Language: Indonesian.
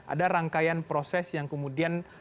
ada rangkaian proses yang kemudian